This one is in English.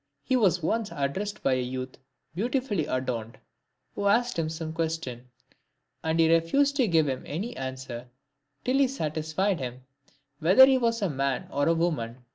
He was once addressed by a youth beautifully adorned, who asked him some question ; and he refused to give him any answer, till he satisfied him whether he was a man or a woman.